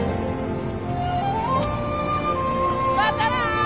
またな！